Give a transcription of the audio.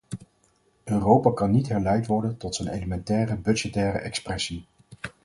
Europa kan niet herleid worden tot zijn elementaire budgettaire expressie.